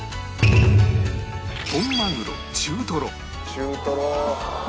中トロ！